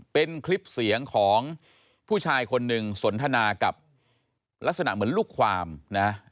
เป็นคลิปเสียงของผู้ชายคนหนึ่งสนทนากับลักษณะเหมือนลูกความนะ